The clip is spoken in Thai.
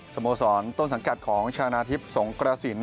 สโมสรต้นสังกัดของชนะทิพย์สงกระสิน